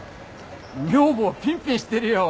女房はピンピンしてるよ。